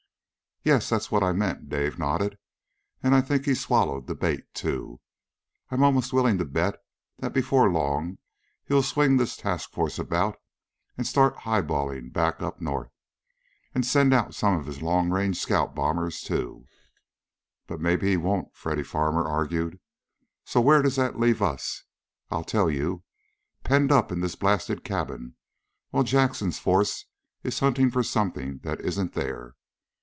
"Yes, that's what I meant," Dave nodded. "And I think he swallowed the bait, too. I'm almost willing to bet that before long he'll swing this task force about and start high balling back up north. And send out some of his long range scout bombers, too." "But maybe he won't," Freddy Farmer argued. "So where does that leave us? I'll tell you! Penned up in this blasted cabin while Jackson's force is hunting for something that isn't there.